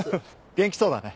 元気そうだね。